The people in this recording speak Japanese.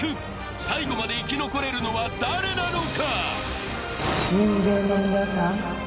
最後まで生き残れるのは誰なのか。